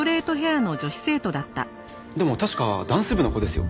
でも確かダンス部の子ですよ